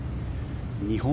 日本